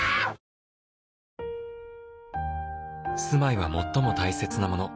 「住まいは最も大切なもの」